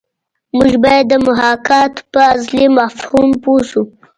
موږ باید د محاکات په اصلي مفهوم پوه شو